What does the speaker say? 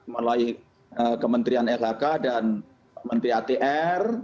melalui kementerian lhk dan kementerian atr